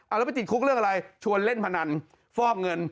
แล้วไปติดคุกเรื่องอะไรชวนเล่นพนันฟอกเงิน